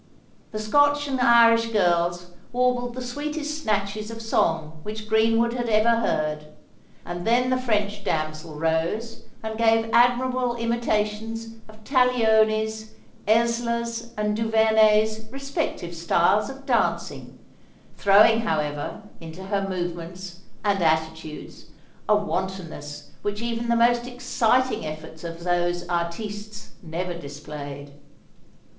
The Scotch and Irish girls warbled the sweetest snatches of song which Greenwood had ever heard; and then the French damsel rose and gave admirable imitations of Taglioni's, Ellsler's, and Duvernay's respective styles of dancing—throwing, however, into her movements and attitudes a wantonness which even the most exciting efforts of those artistes never displayed.